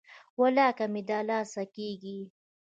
ولاکه مې د لاسه کیږي.